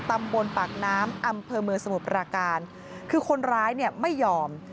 ตำบลปากน้ำอำเภอเมืองสมุทรปราการคือคนร้ายเนี่ยไม่ยอม